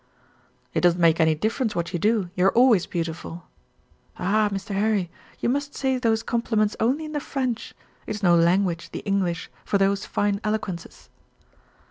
"It doesn't make any difference what you do, you are always beautiful." "Ah, Mr. 'Arry, you must say those compliments only in the French. It is no language, the English, for those fine eloquences."